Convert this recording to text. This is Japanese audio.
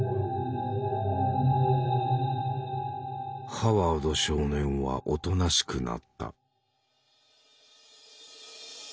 ハワード少年はおとなしくなった。